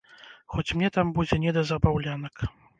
Хоць мне там будзе не да забаўлянак.